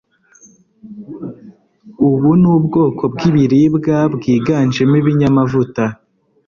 Ubu ni ubwoko bw'ibiribwa bwiganjemo ibinyamavuta.